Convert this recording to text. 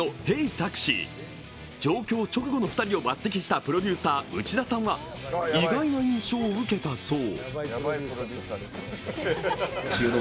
タクシー！」状況直後の２人を抜てきしたプロデューサーの内田さんは意外な印象を受けたそう。